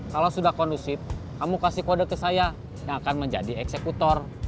kalau sudah kondusif kamu kasih kode ke saya yang akan menjadi eksekutor